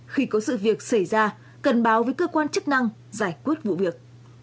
khi có sự việc xảy ra cần báo với cơ quan chức năng giải quyết vụ việc